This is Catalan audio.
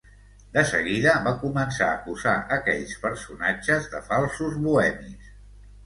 De seguida va començar a acusar aquells personatges de falsos bohemis.